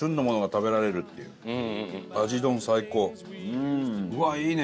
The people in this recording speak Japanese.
うわいいね。